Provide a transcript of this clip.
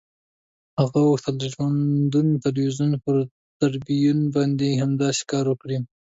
هغه غوښتل د ژوندون تلویزیون پر تریبیون باندې همداسې کار وکړي.